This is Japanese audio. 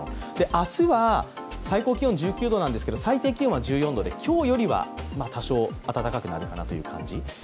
明日は最高気温１９度なんですけれども最低気温は１４度で今日よりは多少、暖かくなるかなという感じ。